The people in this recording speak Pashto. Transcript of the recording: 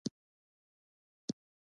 جلغوزي د خوست او پکتیا تور طلایی دي